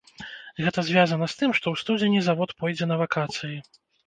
Гэта звязана з тым, што ў студзені завод пойдзе на вакацыі.